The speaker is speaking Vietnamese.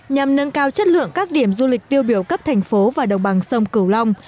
nhằm nâng cao chất lượng các điểm du lịch tiêu biểu cấp thành phố và đồng bằng sông cửu long